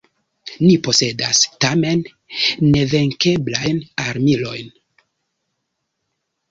Ni posedas, tamen, nevenkeblajn armilojn.